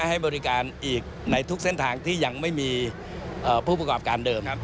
ให้บริการอีกในทุกเส้นทางที่ยังไม่มีผู้ประกอบการเดิม